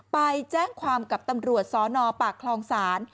ไปแจ้งความกับตำรวจสนปากคลองศาล